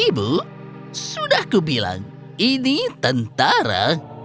ibu sudah aku bilang ini tentara